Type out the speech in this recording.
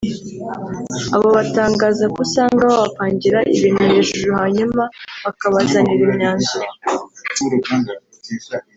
aho batangaza ko usanga babapangira ibintu hejuru hanyuma bakabazanira imyanzuro